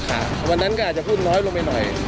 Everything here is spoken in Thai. ควรพูดน้อยว่า